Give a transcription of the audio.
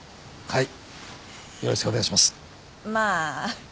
はい。